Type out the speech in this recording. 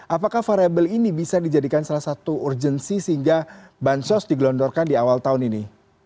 apakah variable ini bisa dijadikan salah satu urgensi sehingga bansos digelondorkan di awal tahun ini